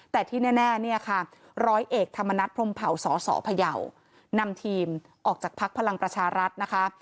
แต่ที่แน่เนี่ยค่ะร้อยเอกธรรมนัฐพรมเผาสสพยาวนำทีมออกจากพักพลังประชารัฐนะคะ